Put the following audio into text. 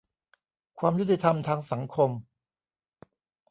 ความยุติธรรมทางสังคม